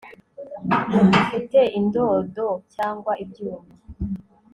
ufitemo indodo cyangwa ibyuma